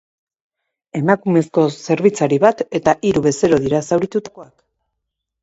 Emakumezko zerbitzari bat eta hiru bezero dira zauritutakoak.